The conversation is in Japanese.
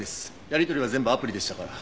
やり取りは全部アプリでしたから。